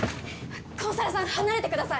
コンサルさん離れてください